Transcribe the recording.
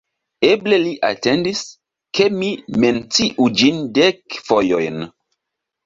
Eble li atendis, ke mi menciu ĝin dek fojojn.